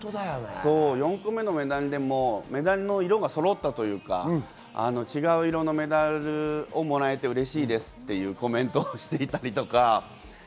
４個目のメダルでもメダルの色がそろったというか、違う色のメダルをもらえて嬉しいですというコメントしていたりとか。